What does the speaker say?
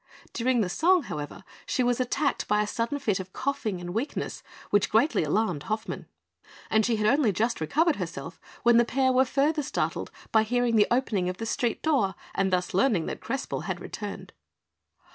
During the song, however, she was attacked by a sudden fit of coughing and weakness, which greatly alarmed Hoffmann; and she had only just recovered herself, when the pair were further startled by hearing the opening of the street door and thus learning that Crespel had returned.